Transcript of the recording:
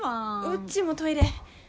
うちもトイレ。